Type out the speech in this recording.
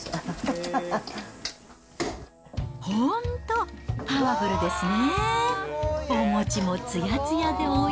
本当、パワフルですね。